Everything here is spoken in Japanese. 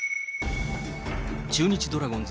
中日ドラゴンズ